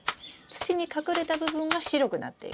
土に隠れた部分が白くなっていく。